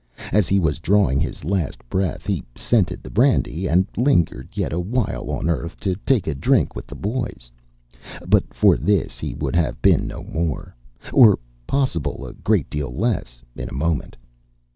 As he was drawing his last breath, he scented the brandy and lingered yet a while on earth, to take a drink with the boys. But for this he would have been no more or possible a great deal less in a moment.